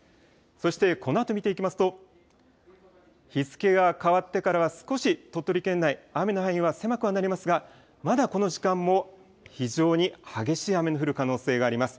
そしてこのあと見ていきますと、日付が変わってからは、少し鳥取県内、雨の範囲は狭くはなりますが、まだこの時間も非常に激しい雨の降る可能性があります。